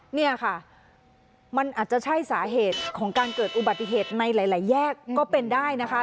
เนี่ยค่ะมันอาจจะใช่สาเหตุของการเกิดอุบัติเหตุในหลายแยกก็เป็นได้นะคะ